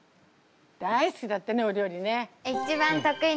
大好きだったねお料理ね。